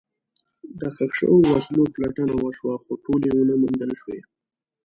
د ښخ شوو وسلو پلټنه وشوه، خو ټولې ونه موندل شوې.